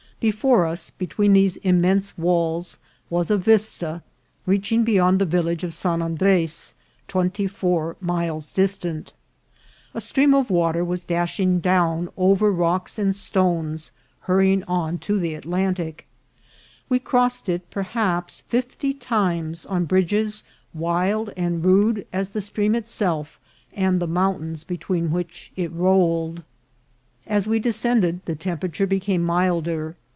Before us, between these immense walls, was a vista reaching beyond the village of San Andres, twenty four miles distant, A stream of water was dashing down over TODOS SANTOS. 235 rocks and stones, hurrying on to the Atlantic ; we cross ed it perhaps fifty times on bridges wild and rude as the stream itself and the mountains between which it rolled. As we descended the temperature became milder.